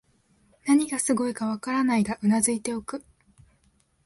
何がすごいかわからないが頷いておく